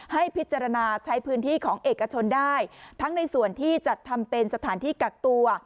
ให้พิจารณาใช้พื้นที่ของเอกชนได้ทั้งในส่วนที่จัดทำเป็นสถานที่กักตัว